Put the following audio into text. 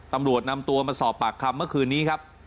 ตำรวจนำตัวมาสอบปากคำเมื่อคืนนี้ครับ